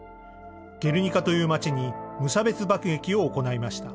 ゲルニカという町に無差別爆撃を行いました。